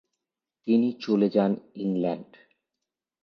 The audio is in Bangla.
তিনি চলে যান ইংল্যান্ড।